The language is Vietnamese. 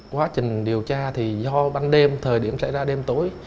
quá trình điều tra thì do ban đêm thời điểm xảy ra đêm tối